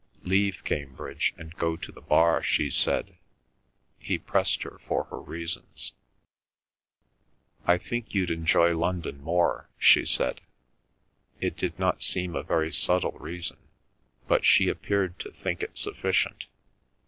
"Leave Cambridge and go to the Bar," she said. He pressed her for her reasons. "I think you'd enjoy London more," she said. It did not seem a very subtle reason, but she appeared to think it sufficient.